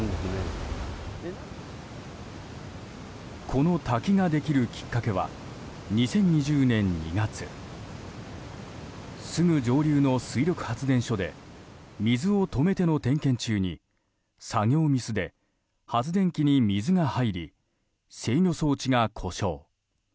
この滝ができるきっかけは２０２０年２月すぐ上流の水力発電所で水を止めての点検中に作業ミスで発電機に水が入り制御装置が故障。